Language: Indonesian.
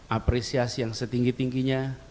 apresiasi yang setinggi tingginya